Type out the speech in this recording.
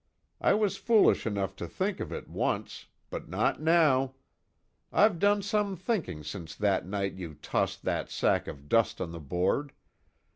I was foolish enough to think of it, once but not now. I've done some thinking since that night you tossed that sack of dust on the board.